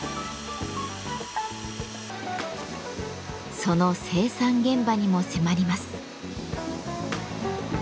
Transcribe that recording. その生産現場にも迫ります。